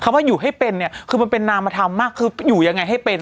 ว่าอยู่ให้เป็นเนี่ยคือมันเป็นนามธรรมมากคืออยู่ยังไงให้เป็น